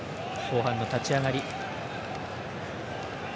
後半の立ち上がり。